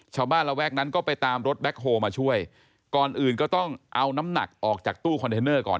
ระแวกนั้นก็ไปตามรถแบ็คโฮลมาช่วยก่อนอื่นก็ต้องเอาน้ำหนักออกจากตู้คอนเทนเนอร์ก่อน